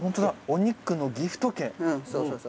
お肉のギフト券。